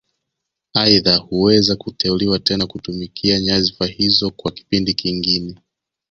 Aidha huweza kuteuliwa tena kutumikia nyadhifa hizo kwa kipindi kingine